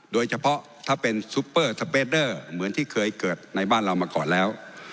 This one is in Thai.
โดยเฉพาะถ้าเป็นซุปเปอร์สเปดเดอร์เหมือนที่เคยเกิดในบ้านเรามาก่อนแล้ว